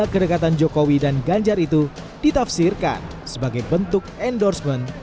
kedekatan jokowi dan ganjar itu ditafsirkan sebagai bentuk endorsement